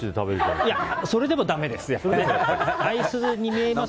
いや、それでもだめです。